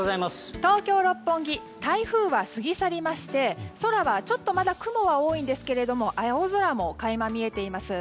東京・六本木台風は過ぎ去りまして空は、ちょっとまだ雲は多いんですけど青空も垣間見えています。